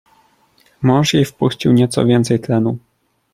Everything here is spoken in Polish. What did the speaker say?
"Mąż jej wpuścił nieco więcej tlenu."